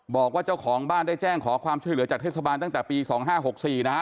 บอกว่าเจ้าของบ้านได้แจ้งขอความช่วยเหลือจากเทศบาลตั้งแต่ปี๒๕๖๔นะฮะ